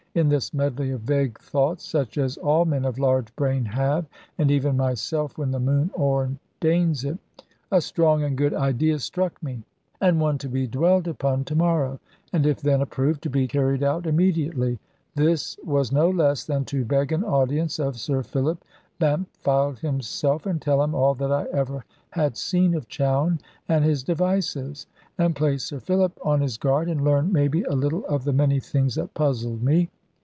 In this medley of vague thoughts (such as all men of large brain have, and even myself when the moon ordains it) a strong and good idea struck me, and one to be dwelled upon to morrow; and if then approved, to be carried out immediately. This was no less than to beg an audience of Sir Philip Bampfylde himself, and tell him all that I ever had seen of Chowne and his devices, and place Sir Philip on his guard, and learn maybe a little of the many things that puzzled me.